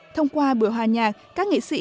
thông qua buổi hòa nhạc các nghị sĩ